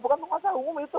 bukan penguasa umum itu